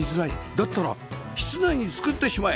だったら室内に作ってしまえ！